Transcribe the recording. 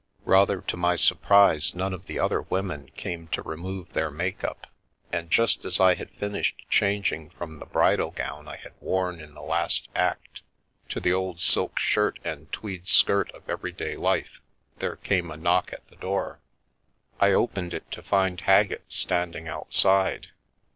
Rather to my surprise, none of the other women came to remove their make up, and just as I had finished changing from the bridal gown I had worn in the last act to the old silk shirt and tweed skirt of everyday life, there came a knock at the door. I opened it to find Haggett standing outside.